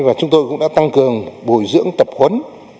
và chúng tôi cũng đã tăng cường bồi dưỡng tập huấn